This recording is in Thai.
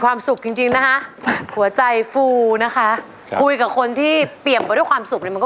ความศูนย์จริงจริงนะคะหัวใจฟูนะคะคุยกับคนที่เปรียบว่าด้วยความสุขงัยมันก็